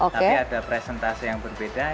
tapi ada presentase yang berbeda